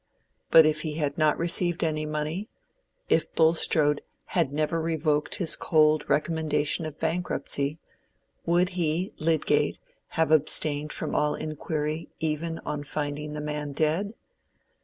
But if he had not received any money—if Bulstrode had never revoked his cold recommendation of bankruptcy—would he, Lydgate, have abstained from all inquiry even on finding the man dead?